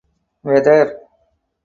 Weather.